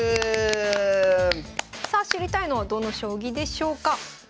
さあ知りたいのはどの将棋でしょうか？